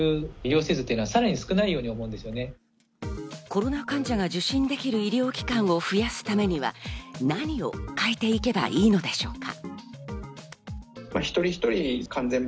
コロナ患者が受診できる医療機関を増やすためには何を変えていけばいいのでしょうか？